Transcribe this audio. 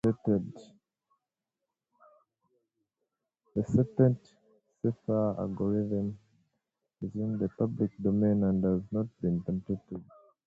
The Serpent cipher algorithm is in the public domain and has not been patented.